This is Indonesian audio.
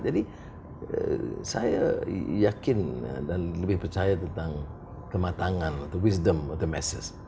jadi saya yakin dan lebih percaya tentang kematangan atau wisdom atau message